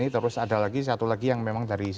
terus ada lagi satu lagi yang memang dari